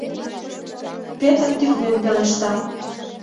— Петр тӱкнен пелешта.